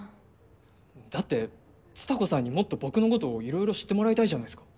だって蔦子さんにもっと僕のこといろいろ知ってもらいたいじゃないですか。